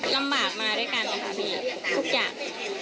ลำบากมาด้วยกันนะคะพี่ทุกอย่าง